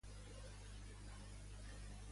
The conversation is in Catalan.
Per què Mawa assassina el comandant?